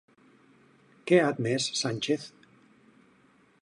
Què ha admès Sánchez?